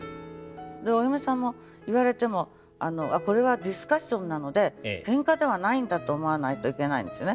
でお嫁さんも言われてもこれはディスカッションなのでケンカではないんだと思わないといけないんですね。